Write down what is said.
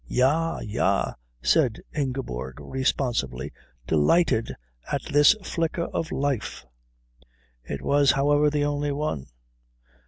"Ja, ja," said Ingeborg responsively, delighted at this flicker of life. It was, however, the only one.